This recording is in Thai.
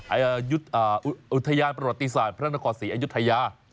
อุทยานประวัติศาสตร์พระนครศรีอยุธยา